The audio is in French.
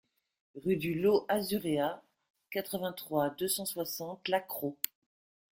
Rue du Lot Azuréa, quatre-vingt-trois, deux cent soixante La Crau